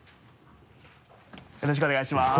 よろしくお願いします。